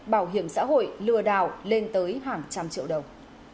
bảo hiểm xã hội lừa đảo lên tới hàng trăm triệu đồng